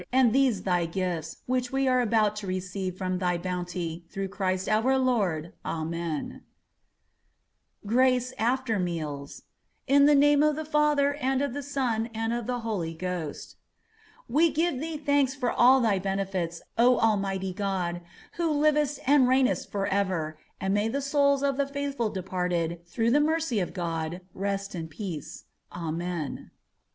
and these Thy gifts, which we are about to receive from Thy bounty, through Christ our Lord. Amen. GRACE AFTER MEALS + We give Thee thanks for all Thy benefits, O Almighty God, who livest and reignest forever, and may the souls of the faithful departed through the mercy of God, rest in peace. Amen.